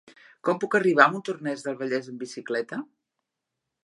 Com puc arribar a Montornès del Vallès amb bicicleta?